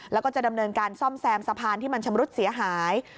แล้วก็จะดำเนินการซ่อมแซมสะพานที่มันชำรุดเสียหาย